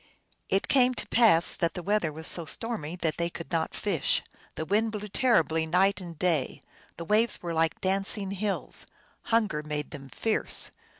It came to pass that the weather was so stormy that they could not fish. The wind blew terribly night and day; the waves were like dancing hills. Hunger made them fierce.